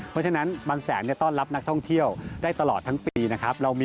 เพราะฉะนั้นบางแสนต้อนรับนักท่องเที่ยวได้ตลอดทั้งปีนะครับ